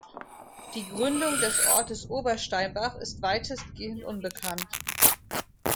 Die Gründung des Ortes Obersteinbach ist weitestgehend unbekannt.